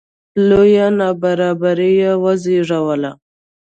لویه نابرابري یې وزېږوله